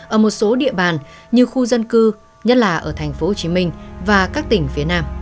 ở một số địa bàn như khu dân cư nhất là ở tp hcm và các tỉnh phía nam